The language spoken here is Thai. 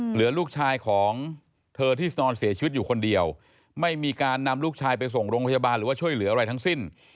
เหลือลูกชายของเธอที่นอนเสียชีวิตอยู่คนเดียวไม่มีการนำลูกชายไปส่งโรงพยาบาลหรือว่าช่วยเหลืออะไรทั้งสิ้น